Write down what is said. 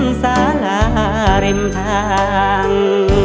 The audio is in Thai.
มันจะต้องถึงสารหม้าง